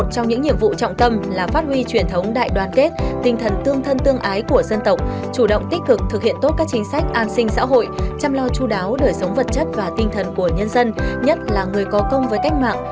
chính sách an sinh xã hội chăm lo chú đáo đổi sống vật chất và tinh thần của nhân dân nhất là người có công với cách mạng